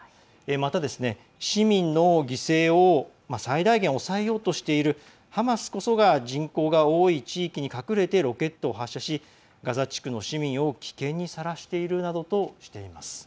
また、市民の犠牲を最大限、抑えようとしているハマスこそが人口が多い地域に隠れてロケットを発射しガザ地区の市民を危険にさらしているなどとしています。